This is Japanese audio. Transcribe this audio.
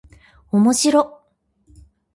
おもしろっ